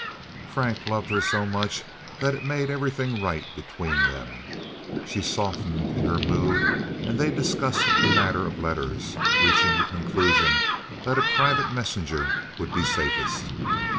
Frank loved her so much that it made everything right between them. She softened in her mood and they discussed the matter of letters, reaching the conclusion that a private messenger would be safest.